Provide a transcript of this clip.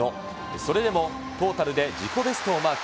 それでもトータルで自己ベストをマーク。